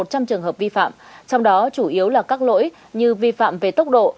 một trăm linh trường hợp vi phạm trong đó chủ yếu là các lỗi như vi phạm về tốc độ